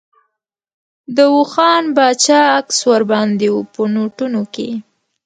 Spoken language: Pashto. د داووخان باچا عکس ور باندې و په نوټونو کې.